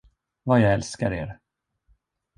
Vad jag älskar er!